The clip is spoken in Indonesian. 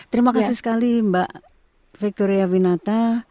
terima kasih sekali mbak victoria winata